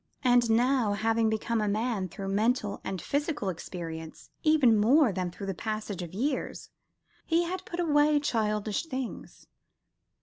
And now, having become a man through mental and physical experience even more than through the passage of years, he had put away childish things.